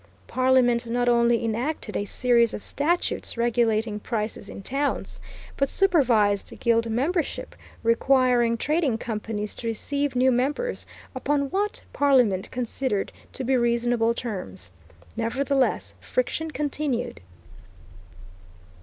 Parliament not only enacted a series of statutes regulating prices in towns, but supervised guild membership, requiring trading companies to receive new members upon what Parliament considered to be reasonable terms. Nevertheless, friction continued.